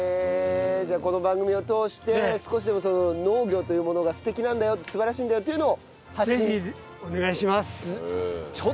じゃあこの番組を通して少しでも農業というものが素敵なんだよ素晴らしいんだよっていうのを発信。